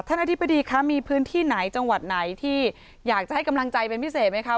อธิบดีคะมีพื้นที่ไหนจังหวัดไหนที่อยากจะให้กำลังใจเป็นพิเศษไหมคะ